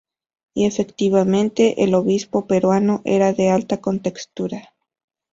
Y efectivamente, el obispo peruano era de alta contextura.